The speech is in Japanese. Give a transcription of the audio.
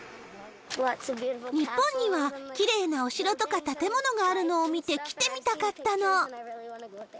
日本にはきれいなお城とか建物があるのを見て、来てみたかったの。